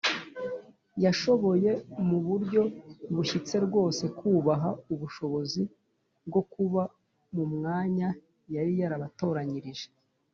yashoboye mu buryo bushyitse rwose kubaha ubushobozi bwo kuba mu mwanya yari yarabatoranyirije